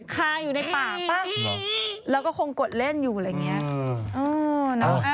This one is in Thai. คีอาร์อยู่ในปากปั้๊คเราก็คงกดเล่นอยูอย่างเงี้ย